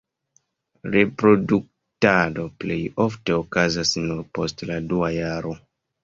Reproduktado plej ofte okazas nur post la dua jaro.